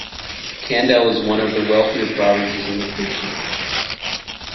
Kandal is one of the wealthier provinces in the country.